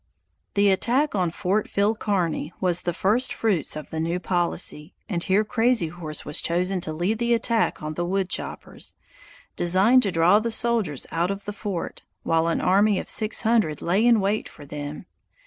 The attack on Fort Phil Kearny was the first fruits of the new policy, and here Crazy Horse was chosen to lead the attack on the woodchoppers, designed to draw the soldiers out of the fort, while an army of six hundred lay in wait for them.